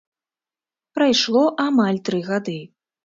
Прайшло амаль тры гады.